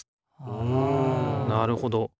うんなるほど。